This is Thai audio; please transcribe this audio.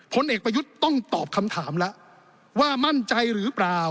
ผลเอกประยุทธ์ต้องตอบคำถามแล้วว่ามั่นใจหรือเปล่า